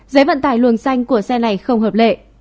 giấy vận tải luồng xanh của xe này không hợp lệ